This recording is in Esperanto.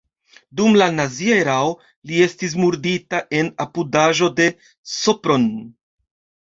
Dum la nazia erao li estis murdita en apudaĵo de Sopron.